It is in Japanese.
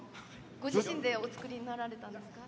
ご自身でお作りになられたんですか？